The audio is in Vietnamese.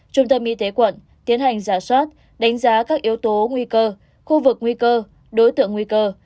trung tâm y tế quận tiến hành giả soát đánh giá các yếu tố nguy cơ khu vực nguy cơ đối tượng nguy cơ